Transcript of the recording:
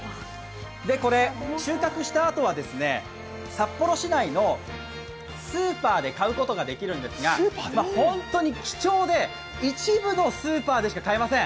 これ、収穫したあとは札幌市内のスーパーで買うことができるんですが、本当に貴重で、一部のスーパーでしか買えません。